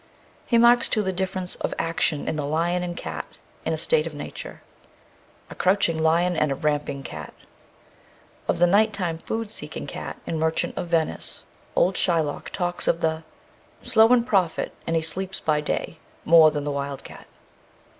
He marks, too, the difference of action in the lion and cat, in a state of nature: A crouching lion and a ramping cat. Of the night time food seeking cat, in The Merchant of Venice, old Shylock talks of the ...Slow in profit, and he sleeps by day More than the wild cat.